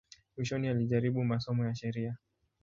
Mwishoni alijaribu masomo ya sheria.